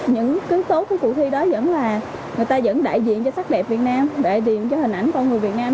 những cứ tốt của cuộc thi đó vẫn là người ta vẫn đại diện cho sắc đẹp việt nam đại diện cho hình ảnh con người việt nam